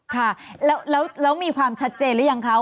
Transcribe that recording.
ค่ะแล้วมีความชัดเจนหรือยังคะ